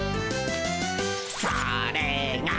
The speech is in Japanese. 「それが」